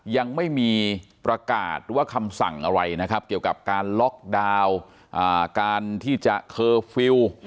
ยังไม่มีประกาศหรือว่าคำสั่งอะไรเกี่ยวกับการล็อคดาวต์การเฟิล